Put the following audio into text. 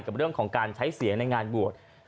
กับเรื่องของการใช้เสียงในงานบวช